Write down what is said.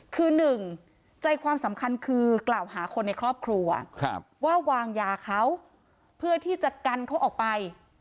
คือหนึ่งใจความสำคัญคือกล่าวหาคนในครอบครัวว่าวางยาเขาเพื่อที่จะกันเขาออกไป